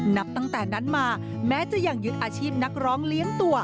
นับตั้งแต่นั้นมาแม้จะยังยึดอาชีพนักร้องเลี้ยงตัว